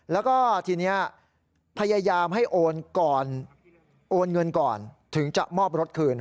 แล้วก็ทีนี้พยายามให้โอนก่อนโอนเงินก่อนถึงจะมอบรถคืน